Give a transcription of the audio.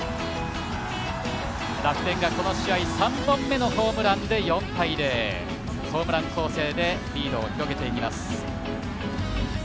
楽天が、この試合３本目のホームランで４対０ホームラン攻勢でリードを広げていきます。